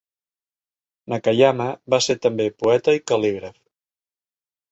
Nakayama va ser també poeta i cal·lígraf.